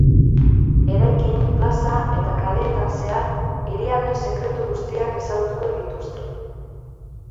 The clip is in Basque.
Eraikin, plaza eta kaleetan zehar, hiriaren sekretu guztiak ezagutuko dituzte.